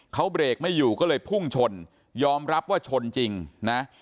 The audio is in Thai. เขาเบรกไม่อยู่ก็เลยพุ่งชนยอมรับว่าชนจริงนะ